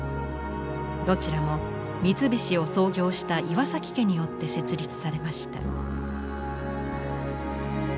どちらも三菱を創業した岩崎家によって設立されました。